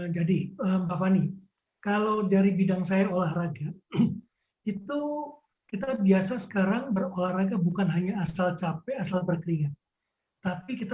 jadi pak fani kalau dari bidang saya olahraga itu kita biasa sekarang berolahraga bukan hanya asal capek asal berkeringat